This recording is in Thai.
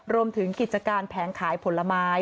รวมถึงกิจการแผงขายผลไม้